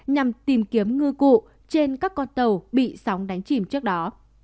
nhằm tìm kiếm ngư cụ trên các con tàu bị sóng đánh chìm trước đó